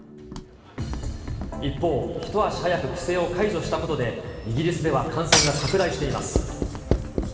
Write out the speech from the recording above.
一方、一足早く規制を解除したことで、イギリスでは感染が拡大しています。